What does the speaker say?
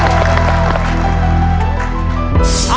ถูกครับ